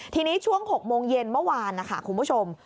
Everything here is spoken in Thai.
ทีนี้ช่วง๖โมงเย็นเมื่อวานนะคะคุณผู้ชม